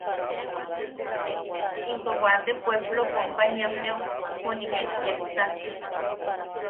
Into waate pueplo companyiammeu juni’i ket yepsa.